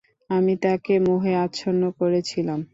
আমি তাকে মোহে আচ্ছন্ন করেছিলাম।